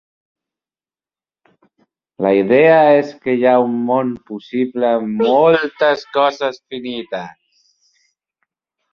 La idea és que hi ha un món possible amb moltes coses finites.